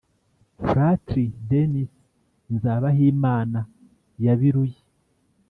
fratri denys nzabahimana ya biruyi.